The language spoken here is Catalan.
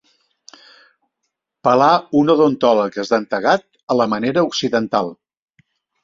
Pelà un odontòleg esdentegat a la manera occidental.